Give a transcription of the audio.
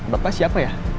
bapak siapa ya